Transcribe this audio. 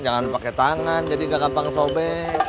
jangan pakai tangan jadi gak gampang sobek